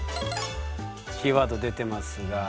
キーワード出てますが。